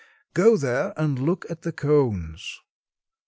Go there and look at the cones."